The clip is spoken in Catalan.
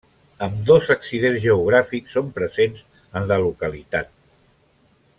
Ambdós accidents geogràfics són presents en la localitat.